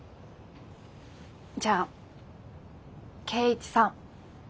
じゃあ圭一さん。